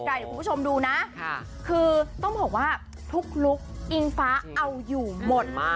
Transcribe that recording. เดี๋ยวคุณผู้ชมดูนะคือต้องบอกว่าทุกลุคอิงฟ้าเอาอยู่หมด